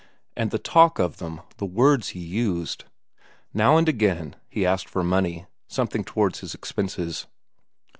And the talk of them, the words he used. Now and again he asked for money, something towards his expenses.